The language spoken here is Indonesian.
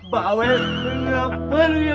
bawel kenapa lu ya